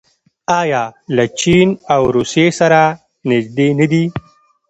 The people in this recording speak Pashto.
آیا له چین او روسیې سره نږدې نه دي؟